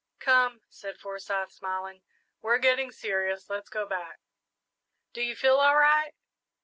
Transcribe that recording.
"Come," said Forsyth, smiling, "we're getting serious let's go back." "Do you feel all right?"